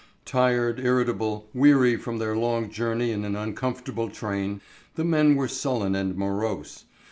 Tired, irritable, weary from their long journey in an uncomfortable train, the men were sullen and morose.